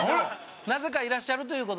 なぜかいらっしゃるという事で。